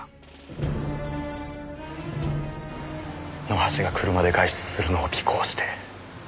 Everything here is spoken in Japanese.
野橋が車で外出するのを尾行して。